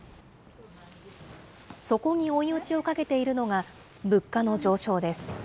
そこに追い打ちをかけているのが物価の上昇です。